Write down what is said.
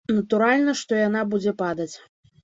Натуральна, што яна будзе падаць.